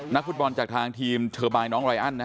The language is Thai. นักฟุตบอลจากทางทีมเทอร์บายน้องไรอัน